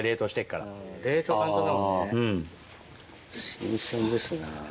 新鮮ですな。